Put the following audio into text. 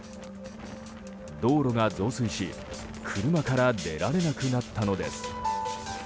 道路が増水し車から出られなくなったのです。